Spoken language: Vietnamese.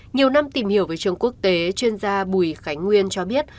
nhiều năm tìm hiểu về trường quốc tế chuyên gia bùi khánh nguyên cho biết